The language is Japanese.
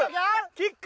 キック！